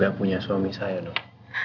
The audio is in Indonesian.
gak punya suami saya dok